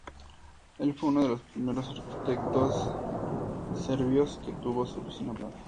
Él fue uno de los primeros arquitectos serbios que tuvo su oficina privada.